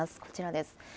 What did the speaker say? こちらです。